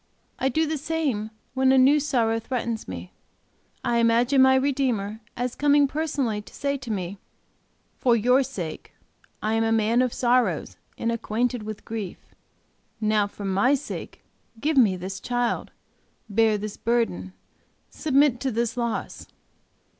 I do the same when a new sorrow threatens me. I imagine my Redeemer as coming personally to say to me, "For your sake I am a man of sorrows and acquainted with grief; now for My sake give me this child, bear this burden, submit to this loss."